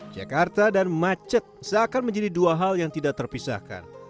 jakarta dan macet seakan menjadi dua hal yang tidak terpisahkan